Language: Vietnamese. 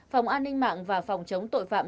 phòng an ninh mạng và phòng chống tội phạm